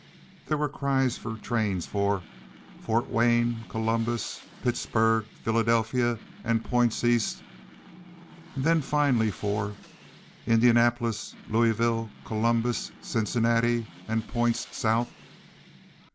There were cries of trains for "Fort Wayne, Columbus, Pittsburg, Philadelphia, and points East," and then finally for "Indianapolis, Louisville, Columbus, Cincinnati, and points South."